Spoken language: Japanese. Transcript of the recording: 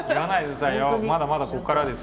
まだまだここからですよ。